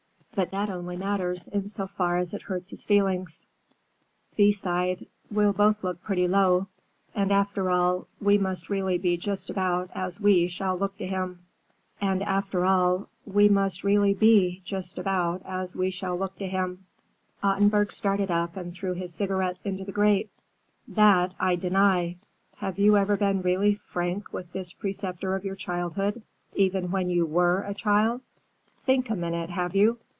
But that only matters in so far as it hurts his feelings." Thea sighed. "We'll both look pretty low. And after all, we must really be just about as we shall look to him." Ottenburg started up and threw his cigarette into the grate. "That I deny. Have you ever been really frank with this preceptor of your childhood, even when you were a child? Think a minute, have you?